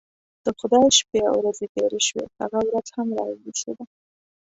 د خدای شپې او ورځې تیرې شوې هغه ورځ هم راورسېده.